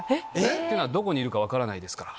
っていうのは、どこにいるのか分からないですから。